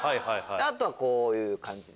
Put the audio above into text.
あとはこういう感じで。